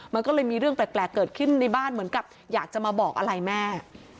มันก็เลยมีเรื่องแปลกเกิดขึ้นในบ้านเหมือนกับอยากจะมาบอกอะไรแม่